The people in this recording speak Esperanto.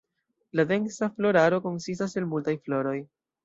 La densa floraro konsistas el multaj floroj.